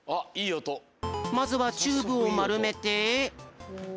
まずはチューブをまるめて。